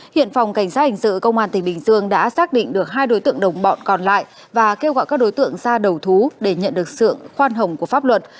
hiện phòng cảnh sát hình sự công an tỉnh bình dương đã xác định được hai đối tượng đồng bọn còn lại và kêu gọi các đối tượng ra đầu thú để nhận được sự khoan hồng của pháp luật